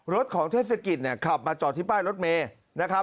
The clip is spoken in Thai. รถของเทศกิจเนี่ยขับมาจอดที่ป้ายรถเมย์นะครับ